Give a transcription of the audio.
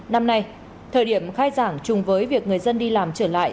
năm nay thời điểm khai giảng chung với việc người dân đi làm trở lại